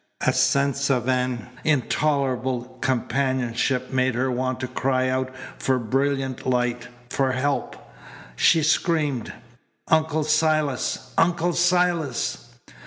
A sense of an intolerable companionship made her want to cry out for brilliant light, for help. She screamed. "Uncle Silas! Uncle Silas!"